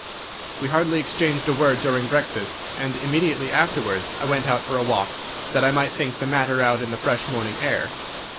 We hardly exchanged a word during breakfast, and immediately afterwards I went out for a walk, that I might think the matter out in the fresh morning air.